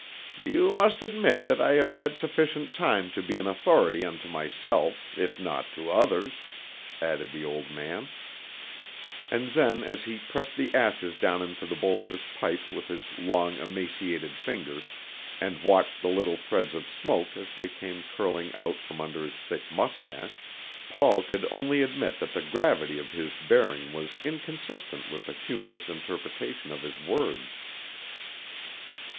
"You must admit that I have had sufficient time to be an authority unto myself, if not to others," added the old man. And then as he pressed the ashes down into the bowl of his pipe with his long emaciated fingers, and watched the little threads of smoke as they came curling out from under his thick moustache, Paul could only admit that the gravity of his bearing was inconsistent with a humorous interpretation of his words.